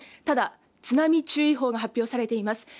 ただ、津波注意報が発表されています。